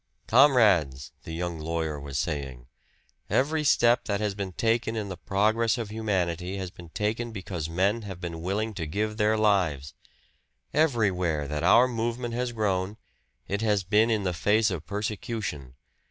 "Comrades," the young lawyer was saying, "every step that has been taken in the progress of humanity has been taken because men have been willing to give their lives. Everywhere that our movement has grown, it has been in the face of persecution.